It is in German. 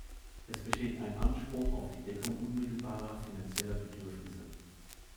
Es besteht ein Anspruch auf die Deckung unmittelbarer finanzieller Bedürfnisse.